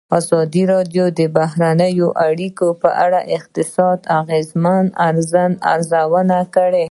ازادي راډیو د بهرنۍ اړیکې په اړه د اقتصادي اغېزو ارزونه کړې.